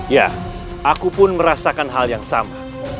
ya aku pun merasakan hal yang sama